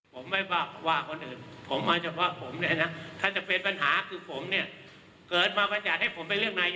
ผมไม่ว่าคนอื่น